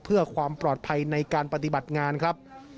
เพื่อความปลอดภัยในการปฏิบัติงานครับ